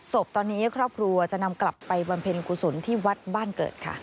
ศพตอนนี้ครอบครัวจะนำกลับไปบำเพ็ญกุศลที่วัดบ้านเกิดค่ะ